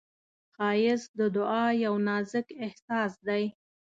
ښایست د دعا یو نازک احساس دی